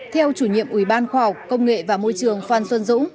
theo chủ nhiệm ủy ban khoa học công nghệ và môi trường phan xuân dũng